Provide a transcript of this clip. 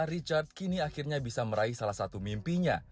richard kini akhirnya bisa meraih salah satu mimpinya